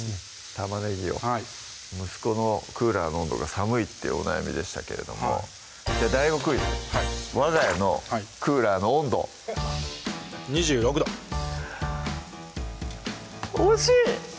玉ねぎをはい「息子のクーラーの温度が寒い」ってお悩みでしたけれどもじゃあＤＡＩＧＯクイズわが家のクーラーの温度２６℃惜しい！